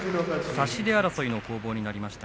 差し手争いの攻防になりました。